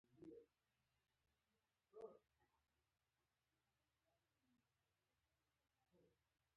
هغوی له دې پرته بله هېڅ چاره نه درلوده.